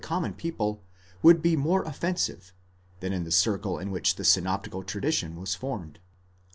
307 common people would be more offensive, than in the circle in which the synoptical tradition was formed.